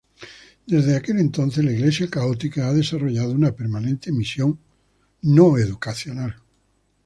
Desde aquel entonces la Iglesia católica ha desarrollado una permanente misión educacional.